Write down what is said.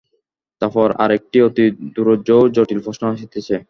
তারপর আর একটি অতি দুরূহ ও জটিল প্রশ্ন আসিতেছে।